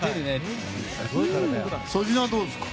粗品はどうですか？